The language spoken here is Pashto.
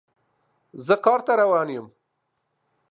زه کار ته روان یم